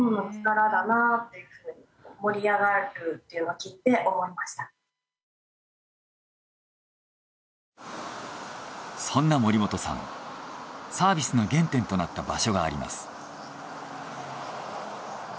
やっぱりこうそんな森本さんサービスの原点となった場所があります。